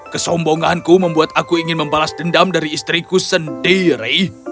kesombonganku membuat aku ingin membalas dendam dari istriku sendiri